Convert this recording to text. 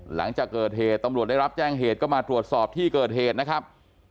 หลังจากเกิดเหตุตำรวจได้รับแจ้งเหตุก็มาตรวจสอบที่เกิดเหตุนะครับ